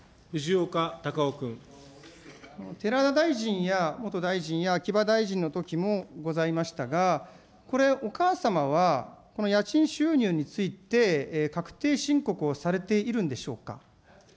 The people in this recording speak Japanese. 大臣や元大臣や、あきば大臣のときもございましたが、これ、お母様は、家賃収入について、確定申告をされているんでしょうか。